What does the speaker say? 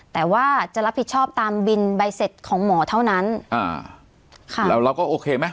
แต่ว่าจะรับผิดชอบตามบินใบเสร็จของหมอเท่านั้นอ่าค่ะแล้วเราก็โอเคไหม